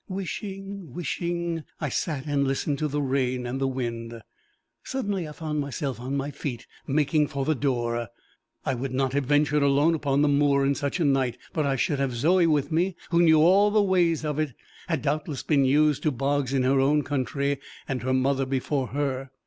Wishing, wishing, I sat and listened to the rain and the wind. Suddenly I found myself on my feet, making for the door. I would not have ventured alone upon the moor in such a night, but I should have Zoe with me, who knew all the ways of it had doubtless been used to bogs in her own country, and her mother before her!